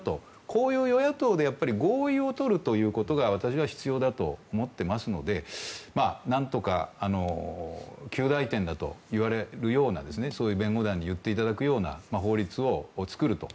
こういう与野党で合意をとるということが私は、必要だと思っていますので何とか及第点だといわれるようなそういう弁護団に言っていただけるような法律を作ると。